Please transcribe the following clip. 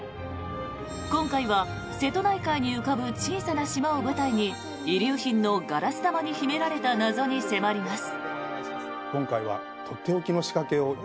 今回は、瀬戸内海に浮かぶ小さな島を舞台に遺留品のガラス玉に秘められた謎に迫ります。